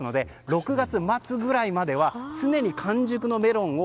６月末ぐらいまでは常に完熟のメロンを